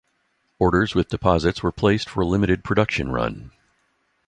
Orders with deposits were placed for a limited production run.